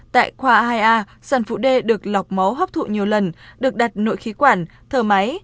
tại khoa hai a sản vụ đê được lọc máu hấp thụ nhiều lần được đặt nội khí quản thờ máy